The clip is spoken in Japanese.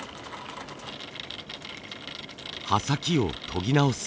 刃先を研ぎ直す。